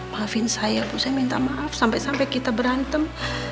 maafin saya bu saya minta maaf sampai sampai kita berantem